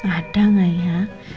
ada nggak ya